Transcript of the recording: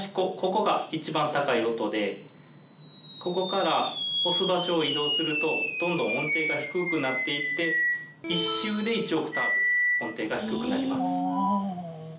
ここが一番高い音でここから押す場所を移動するとどんどん音程が低くなっていって１周で１オクターブ音程が低くなります。